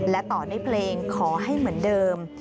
และต่อด้วยเพลงขอให้เหมือนเดิม